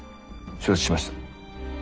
承知しました。